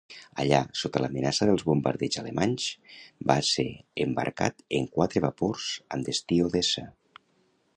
Allà, sota l'amenaça dels bombardeigs alemanys, va ser embarcat en quatre vapors amb destí Odessa.